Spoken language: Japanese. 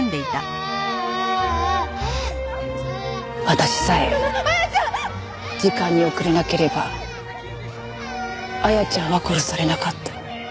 私さえ時間に遅れなければ綾ちゃんは殺されなかった。